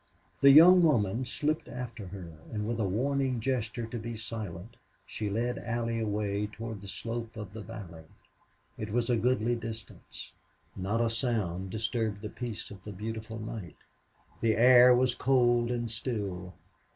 The young woman slipped after her, and with a warning gesture to be silent she led Allie away toward the slope of the valley. It was a goodly distance. Not a sound disturbed the peace of the beautiful night. The air was cold and still.